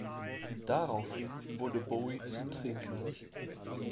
Daraufhin wurde Bowie zum Trinker.